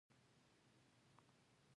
زه د لاسرسي ځانګړتیاوې کاروم.